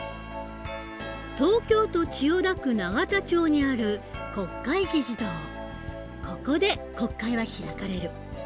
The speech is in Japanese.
東京都千代田区永田町にあるここで国会は開かれる。